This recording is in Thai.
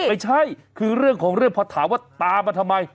ไม่ใช่คือเรื่องของเรื่องพอถามว่าตามมาทำไม